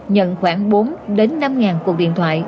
nhận khoảng bốn năm ngàn cuộc điện thoại